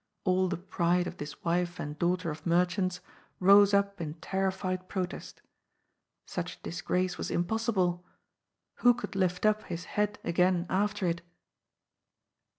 All the pride of this wife and daughter of merchants rose up in terrified protest. Such disgrace was impossible. Who could lift up his head again after it?